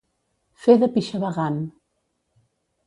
Fer de pixavagant.